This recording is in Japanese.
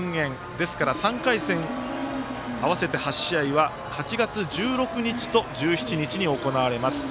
ですから、３回戦合わせて８試合は、８月１６日と１７日に行われます。